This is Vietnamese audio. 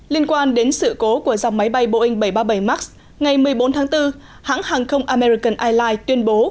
liên quan đến sự cố của dòng máy bay boeing bảy trăm ba mươi bảy max ngày một mươi bốn tháng bốn hãng hàng không american airlines tuyên bố